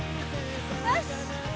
よし！